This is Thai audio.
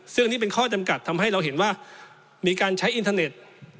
ซึ่งนี่เป็นข้อจำกัดทำให้เราเห็นว่ามีการใช้อินเทอร์เน็ต